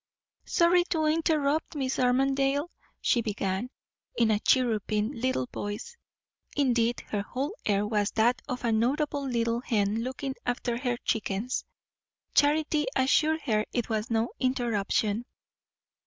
"Sorry to interrupt, Mrs. Armadale" she began, in a chirruping little voice. Indeed, her whole air was that of a notable little hen looking after her chickens. Charity assured her it was no interruption.